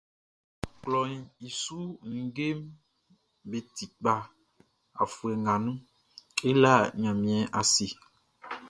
Klɔʼn i su ninngeʼm be ti kpa afuɛ nga nun, e la Ɲanmiɛn ase.